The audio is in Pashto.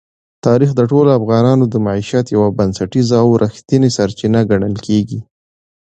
تاریخ د ټولو افغانانو د معیشت یوه بنسټیزه او رښتینې سرچینه ګڼل کېږي.